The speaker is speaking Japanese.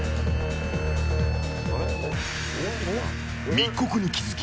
密告に気付き